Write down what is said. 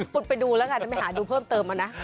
กุดไปดูแล้วกันไม่หาดูเพิ่มเติมอ่ะนะ